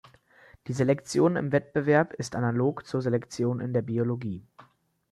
Die Selektion im Wettbewerb ist analog zur Selektion in der Biologie.